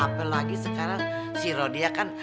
apalagi sekarang si rodia kan